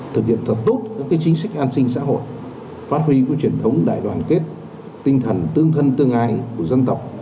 thực hiện thật tốt các chính sách an sinh xã hội phát huy truyền thống đại đoàn kết tinh thần tương thân tương ái của dân tộc